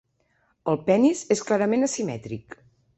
El penis és clarament asimètric.